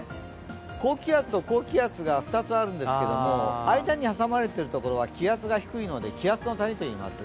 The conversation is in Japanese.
高気圧と高気圧が２つあるんですけども、間に挟まれているところは気圧が低いので気圧の谷といいます。